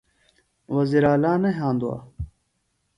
وزیر اعلا نہ یھاندوۡ۔